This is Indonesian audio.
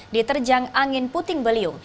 diterjang angin puting beliung